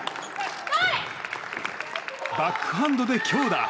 バックハンドで強打！